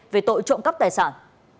về tội trộm cắp tài sản